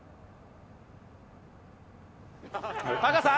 タカさん！